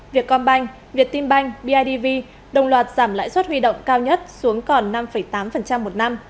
việc combank việt tim bank bidv đồng loạt giảm lãi suất huy động cao nhất xuống còn năm tám một năm